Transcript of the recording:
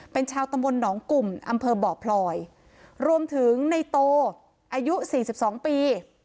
เป็นชาวตำบลหนองกลุ่มอำเภอบ่อพลอยรวมถึงในโตอายุ๔๒ปี